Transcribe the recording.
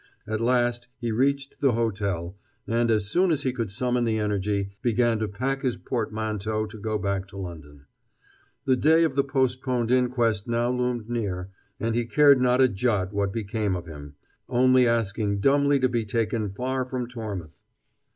At last he reached the hotel, and, as soon as he could summon the energy, began to pack his portmanteau to go back to London. The day of the postponed inquest now loomed near, and he cared not a jot what became of him, only asking dumbly to be taken far from Tormouth.